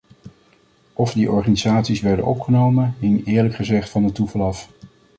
Of die organisaties werden opgenomen, hing eerlijk gezegd van het toeval af.